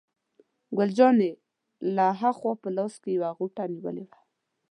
ګل جانې له ها خوا په لاس کې یوه غوټه نیولې وه.